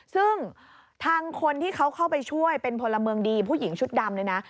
ซึ่งทางคนที่เขาเข้าไปช่วยเป็นพลเมืองดีผู้หญิงชุดดำเลยนะ